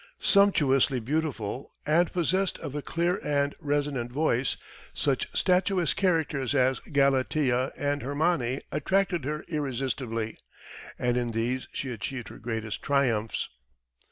Sumptuously beautiful, and possessed of a clear and resonant voice, such statuesque characters as Galatea and Hermione attracted her irresistibly, and in these she achieved her greatest triumphs.